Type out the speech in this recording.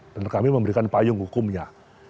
dan kami memberikan payung hukumnya